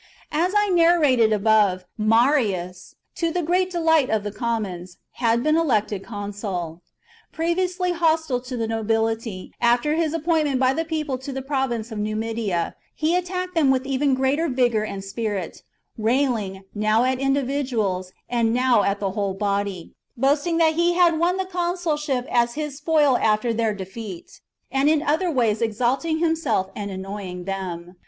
As I narrated above, Marius, to the great delight of chap. the commons, had been elected consul. Previously hostile to the nobility, after his appointment by the people to the province of Numidia, he attacked them with even greater vigour and spirit, railing, now at in dividuals, and now at the whole body, boasting that he LXXXIV. 210 THE JUGURTHINE WAR. CHAP had won the consulship as his spoil after their defeat, and in other ways exalting himself and annoying them.